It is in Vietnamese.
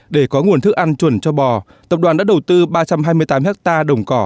để có nguồn thức ăn chuẩn cho bò tập đoàn đã đầu tư ba trăm hai mươi tám hectare đồng cỏ